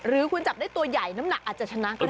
หรือคุณจับได้ตัวใหญ่น้ำหนักอาจจะชนะก็ได้